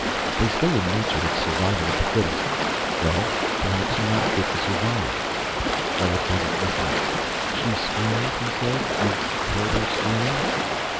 They say in Nature it's the survival of the fittest. Well, perhaps you're not fit to survive." Eric wasn't listening. "She screamed," he said. "You heard her scream?"